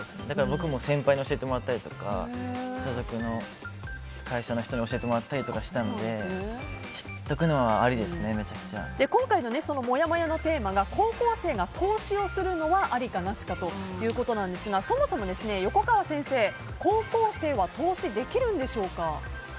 僕も先輩に教えてもらったりとか所属の会社の人に教えてもらったりしたので今回のもやもやのテーマは高校生が投資をするのはありか、なしかということですがそもそも、横川先生、高校生は投資できるんでしょうか？